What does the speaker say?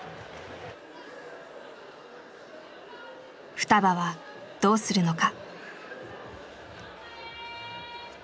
ふたばはどうするのか。